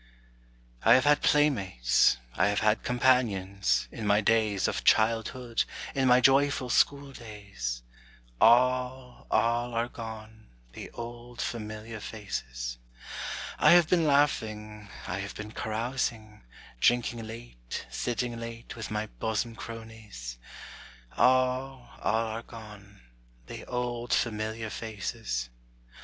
I have had playmates, I have had companions, In my days of childhood, in my joyful school days; All, all are gone, the old familiar faces. I have been laughing, I have been carousing, Drinking late, sitting late, with my bosom cronies; All, all are gone, the old familiar faces.